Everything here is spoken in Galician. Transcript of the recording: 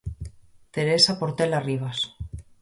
Teresa Portela Rivas.